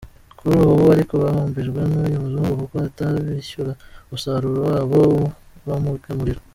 Kuri ubu ariko bahombejwe n’uyu muzungu, kuko atabishyura umusaruro wabo bamugemurira.